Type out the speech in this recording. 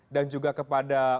dan juga kepada